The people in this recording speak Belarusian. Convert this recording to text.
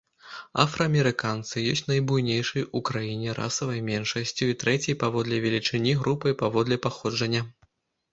Афраамерыканцы ёсць найбуйнейшай у краіне расавай меншасцю і трэцяй паводле велічыні групай паводле паходжання.